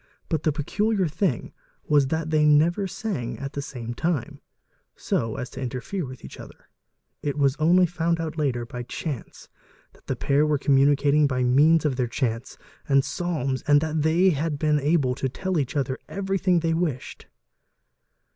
But the peculiar thing was that they a sang at the same time so as to interfere with each other: it was onl found out later by chance that the pair were communicating by ne their chants and psalms and that they had been able to tell each othe everything they wished.